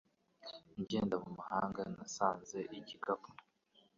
Ngenda mu muhanda, nasanze igikapu.